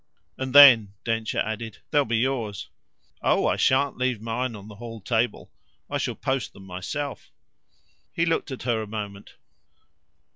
And then," Densher added, "there'll be yours." "Oh I shan't leave mine on the hall table. I shall post them myself." He looked at her a moment.